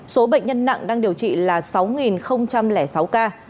số bệnh nhân nặng đang điều trị là sáu sáu ca